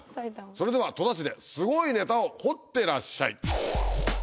それでは戸田市ですごいネタを掘ってらっしゃい。